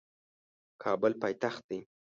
کابل پایتخت دی